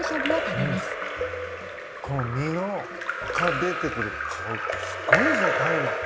この身から出てくる香りってすごいっすねタイの。